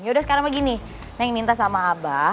yaudah sekarang begini yang minta sama abah